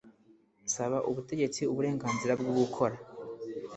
saba ubutegetsi uburenganzira bwo gukora